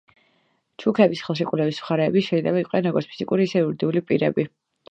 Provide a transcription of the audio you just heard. ჩუქების ხელშეკრულების მხარეები შეიძლება იყვნენ როგორც ფიზიკური, ისე იურიდიული პირები.